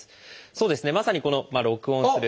そうですねまさにこの「録音する」。